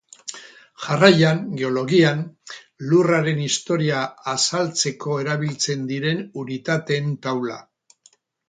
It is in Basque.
Jarraian, geologian, Lurraren historia azaltzeko erabiltzen diren unitateen taula.